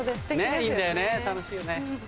ねぇいいんだよね楽しいよね。